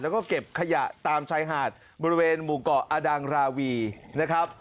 แล้วก็เก็บขยะตามชายหาดบริเวณหมู่เกาะอดังราวีนะครับ